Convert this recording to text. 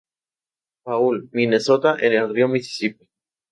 Paul, Minnesota en el Río Misisipi.